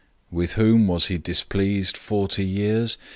003:017 With whom was he displeased forty years?